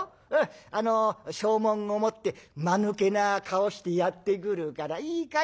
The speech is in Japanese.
あの証文を持ってまぬけな顔してやって来るからいいかい？